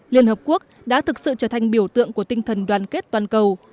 liên hợp quốc đã thực sự trở thành biểu tượng của tinh thần đoàn kết toàn cầu